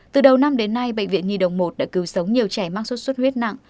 từ đầu năm đến nay bệnh viện nhi đồng một đã cứu sống nhiều trẻ mắc sốt xuất huyết nặng